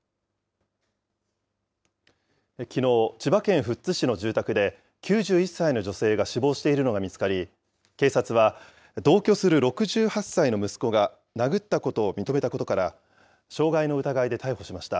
きのう、千葉県富津市の住宅で、９１歳の女性が死亡しているのが見つかり、警察は、同居する６８歳の息子が殴ったことを認めたことから、傷害の疑いで逮捕しました。